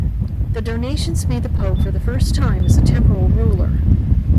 The Donations made the Pope for the first time as a temporal ruler.